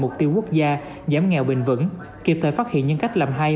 mục tiêu quốc gia giảm nghèo bình vẩn kịp thời phát hiện những cách làm hay